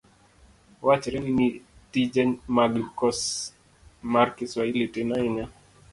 wachre ni tije mag kos mar kiswahili tin ahinya.